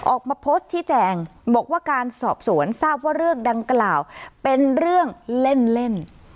ออกมาโพสต์ชี้แจงบอกว่าการสอบสวนทราบว่าเรื่องดังกล่าวเป็นเรื่องเล่น